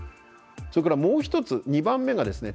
それからもう一つ２番目がですね